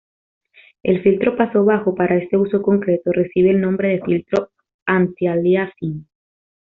El filtro paso bajo para este uso concreto recibe el nombre de "filtro antialiasing".